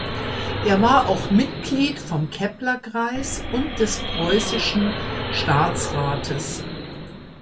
Er war auch Mitglied vom Keppler-Kreis und des Preußischen Staatsrates.